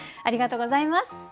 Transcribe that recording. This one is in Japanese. ありがとうございます。